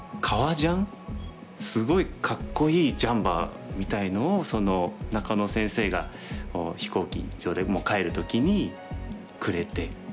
すごいかっこいいジャンパーみたいのを中野先生が飛行機場で帰る時にくれて。